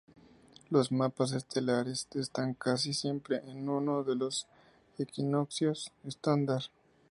Los mapas estelares están casi siempre en uno de los equinoccios estándar.